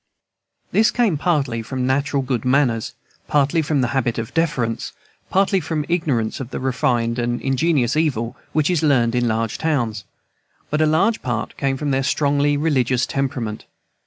This came partly from natural good manners, partly from the habit of deference, partly from ignorance of the refined and ingenious evil which is learned in large towns; but a large part came from their strongly religious temperament.